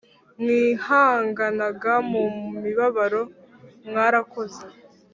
mwihanganaga mu mibabaro mwarakoze